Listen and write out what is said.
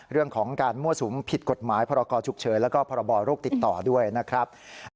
เรื่องของการมั่วสุมผิดกฎหมายพรกรฉุกเฉินแล้วก็พรบโรคติดต่อด้วยนะครับ